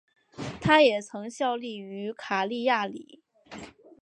他也曾效力于卡利亚里。